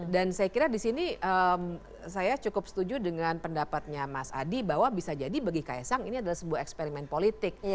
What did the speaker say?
dan saya kira disini saya cukup setuju dengan pendapatnya mas adi bahwa bisa jadi bagi ksang ini adalah sebuah eksperimen politik